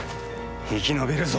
生き延びるぞ！